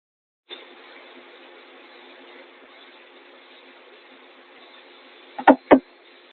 Both editions can be read for pleasure as well as instruction.